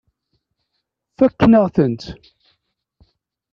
Fakken-aɣ-tent.